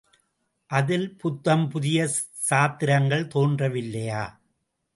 அதில் புத்தம் புதிய சாத்திரங்கள் தோன்றவில்லையா?